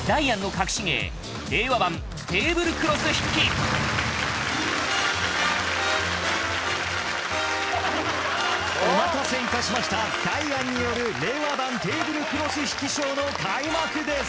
果たしてお待たせいたしましたダイアンによる令和版テーブルクロス引きショーの開幕です